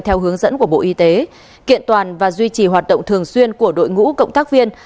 theo hướng dẫn của bộ y tế kiện toàn và duy trì hoạt động thường xuyên của đội ngũ cộng tác viên